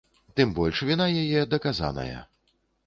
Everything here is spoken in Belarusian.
Тым больш, віна яе даказаная.